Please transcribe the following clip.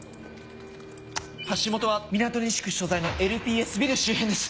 発信元はみなと西区所在のＬＰＳビル周辺です！